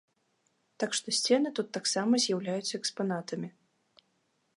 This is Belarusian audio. Так што сцены тут таксама з'яўляюцца экспанатамі.